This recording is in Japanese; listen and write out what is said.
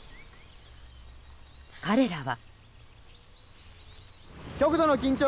彼らは。